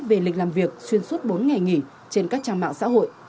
về lịch làm việc xuyên suốt bốn ngày nghỉ trên các trang mạng xã hội